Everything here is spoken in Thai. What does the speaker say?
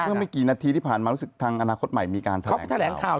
เมื่อไม่กี่นาทีที่ผ่านมาอาณาคตใหม่ถีมมีทะแหลงประวัติ